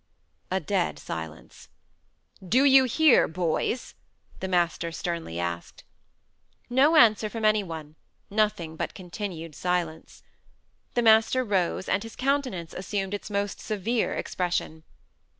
A dead silence. "Do you hear, boys?" the master sternly asked. No answer from any one; nothing but continued silence. The master rose, and his countenance assumed its most severe expression.